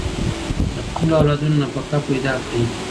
د خپلو اولادونو نفقه پيدا کړئ.